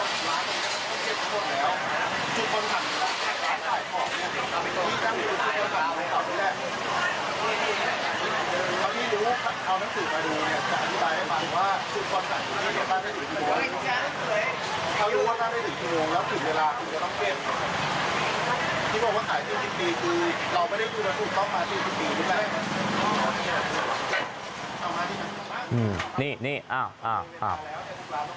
ขอเป็นที่จะขึ้นครั้งนี้